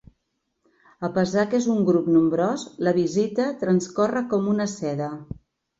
A pesar que és un grup nombrós, la visita transcorre com una seda.